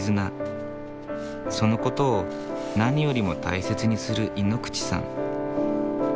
そのことを何よりも大切にする井ノ口さん。